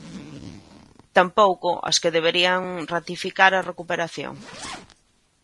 Tampouco as que deberían ratificar a recuperación.